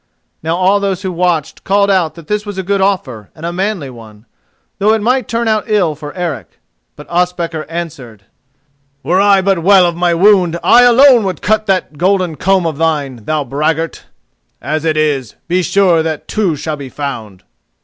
Now all those who watched called out that this was a good offer and a manly one, though it might turn out ill for Eric; but Ospakar answered: "Were I but well of my wound I alone would cut that golden comb of thine, thou braggart; as it is, be sure that two shall be found."